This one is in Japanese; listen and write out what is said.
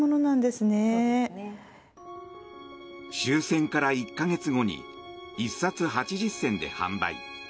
終戦から１か月後に１冊８０銭で販売。